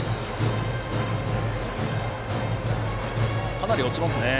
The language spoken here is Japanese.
かなり落ちますね。